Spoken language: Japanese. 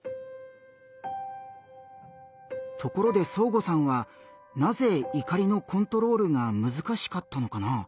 ところでそーごさんはなぜ怒りのコントロールがむずかしかったのかな？